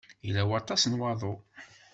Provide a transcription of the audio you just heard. Yella waṭas n waḍu.